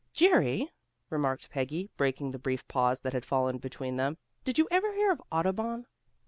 "Jerry," remarked Peggy, breaking the brief pause that had fallen between them, "did you ever hear of Audubon?"